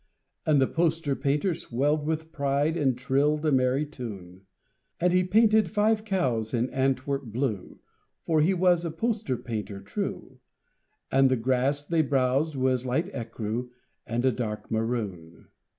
And the poster painter swelled with pride And trilled a merry tune. And he painted five cows in Antwerp blue (For he was a poster painter true), And the grass they browsed was a light écru And a dark maroon.